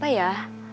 pilih siapa ya